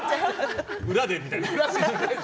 裏でみたいな？